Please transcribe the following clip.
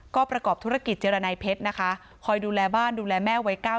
ก็ประกอบธุรกิจเจรนายเพชรนะคะคอยดูแลบ้านดูแลแม่ไว้๙๐